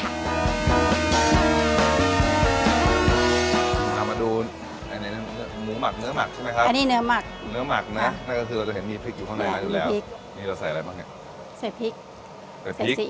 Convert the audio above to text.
เอามาดูอันนี้เนื้อหมักเนื้อหมักใช่ไหมคะอันนี้เนื้อหมักเนื้อหมักน่ะนั่นก็คือเราจะเห็นมีพริกอยู่ข้างในมาอยู่แล้วเนี่ยมีพริก